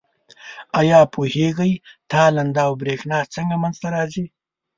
آیا پوهیږئ تالنده او برېښنا څنګه منځ ته راځي؟